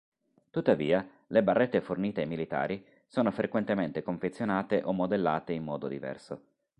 Tuttavia, le barrette fornite ai militari sono frequentemente confezionate o modellate in modo diverso.